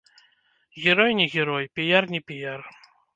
Герой не герой, піяр не піяр.